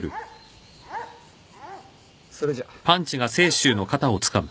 それじゃ。